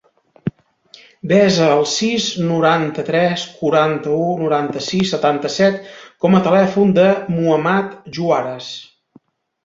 Desa el sis, noranta-tres, quaranta-u, noranta-sis, setanta-set com a telèfon del Muhammad Juarez.